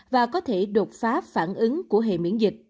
và có thể đột phá phản ứng của hệ miễn dịch